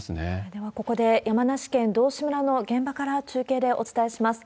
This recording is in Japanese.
ではここで、山梨県道志村の現場から中継でお伝えします。